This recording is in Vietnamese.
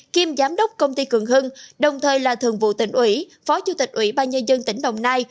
kiêm giám đốc công ty cường hưng đồng thời là thường vụ tỉnh ủy phó chủ tịch ủy ban nhân dân tỉnh đồng nai